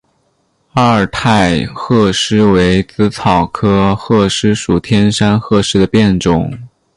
阿尔泰鹤虱为紫草科鹤虱属天山鹤虱的变种。